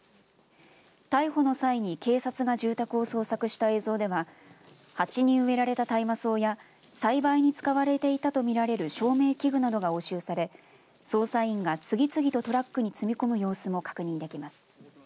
逮捕の際に警察が住宅を捜索した映像では鉢に植えられた大麻草や栽培に使われていたとみられる照明器具などが押収され捜査員が次々とトラックに積み込む様子も確認できます。